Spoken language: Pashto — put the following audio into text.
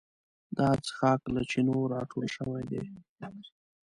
دا څښاک له چینو راټول شوی دی.